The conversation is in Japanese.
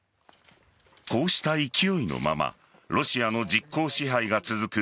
こうした勢いのままロシアの実効支配が続く